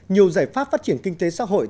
nhiều giải pháp phát triển kinh tế xã hội